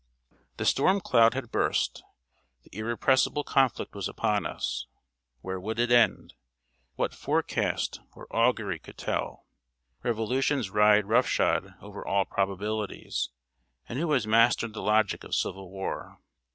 The storm cloud had burst; the Irrepressible Conflict was upon us. Where would it end? What forecast or augury could tell? Revolutions ride rough shod over all probabilities; and who has mastered the logic of civil war?